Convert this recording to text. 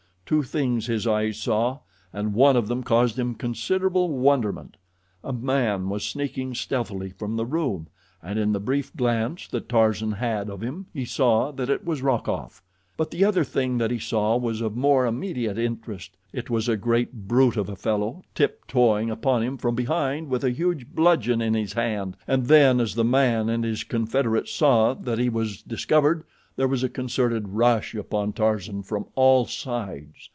Two things his eyes saw, and one of them caused him considerable wonderment. A man was sneaking stealthily from the room, and in the brief glance that Tarzan had of him he saw that it was Rokoff. But the other thing that he saw was of more immediate interest. It was a great brute of a fellow tiptoeing upon him from behind with a huge bludgeon in his hand, and then, as the man and his confederates saw that he was discovered, there was a concerted rush upon Tarzan from all sides.